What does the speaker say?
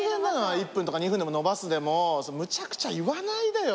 １分とか２分でも延ばすでもむちゃくちゃ言わないでよ。